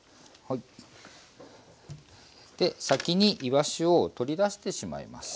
で先にいわしを取り出してしまいます。